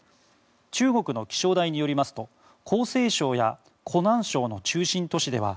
中国の気象台によりますと江西省や湖南省の中心都市では